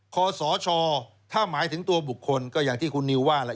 ขอสชถ้าหมายถึงตัวบุคคลก็อย่างที่คุณนิวว่าแหละ